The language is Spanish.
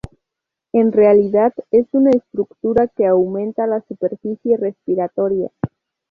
En realidad, es una estructura que aumenta la superficie respiratoria.